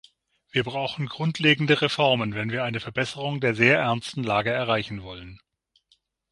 Wir brauchen grundlegende Reformen, wenn wir eine Verbesserung der sehr ernsten Lage erreichen wollen.